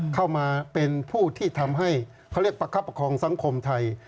เข้ามาเป็นผู้ที่ทำให้เขาเรียกประคับประคองสังคมไทย